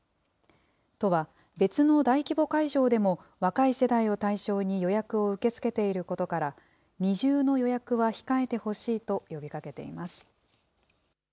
都は、別の大規模会場でも、若い世代を対象に予約を受け付けていることから、二重の予約は控えてほしいと呼びかけています。